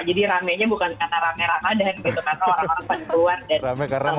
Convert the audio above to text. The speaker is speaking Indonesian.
jadi ramainya bukan karena ramai ramai dan gitu